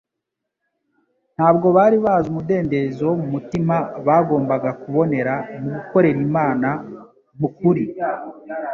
Ntabwo bari bazi umudendezo wo mu mutima bagombaga kubonera mu gukorera Imana mu kuri